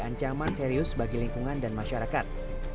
ancaman serius bagi lingkungan dan masyarakat